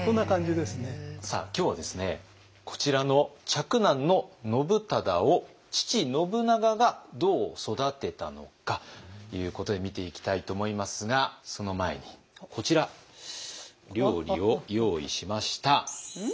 今日はですねこちらの嫡男の信忠を父信長がどう育てたのかということで見ていきたいと思いますがその前にこちら料理を用意しました。